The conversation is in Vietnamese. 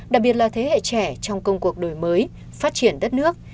đặc biệt là thế hệ trẻ trong công cuộc đổi mới phát triển đất nước